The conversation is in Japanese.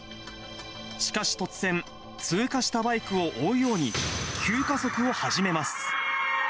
しかし突然、通過したバイクを追うように、急加速を始めます。